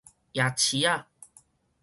夜市仔